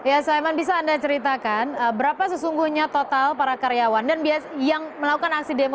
ya saiman bisa anda ceritakan berapa sesungguhnya total para karyawan dan yang melakukan aksi demo